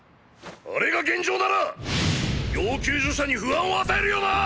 あれが現場なら要救助者に不安を与えるよな！？